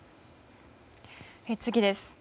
次です。